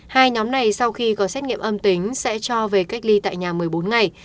hai nhóm này sau khi có xét nghiệm âm tính sẽ cho về cách ly tại nhà một mươi bốn ngày